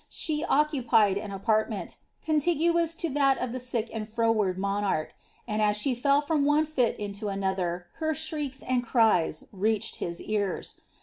She occupied an apartment, contiguous to that of the sick sai fro ward monarch ; and as she fell from one fit into another, her shriskf and cries reached his ears.